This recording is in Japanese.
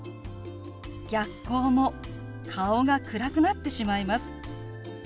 逆光も顔が暗くなってしまいます。